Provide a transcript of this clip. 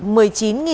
một mươi chín tỷ đồng